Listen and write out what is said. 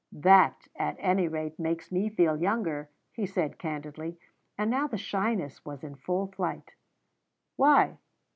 "That, at any rate, makes me feel younger," he said candidly; and now the shyness was in full flight. "Why?"